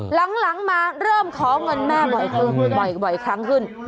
หลังมาเริ่มขอเงินแม่บ่อยขึ้น